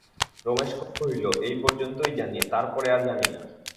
রমেশ কহিল, এই পর্যন্তই জানি, তার পরে আর জানি না।